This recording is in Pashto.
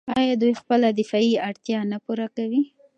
آیا دوی خپله دفاعي اړتیا نه پوره کوي؟